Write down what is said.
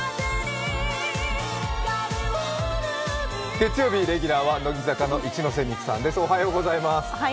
月曜日レギュラーは乃木坂の一ノ瀬美空さんです。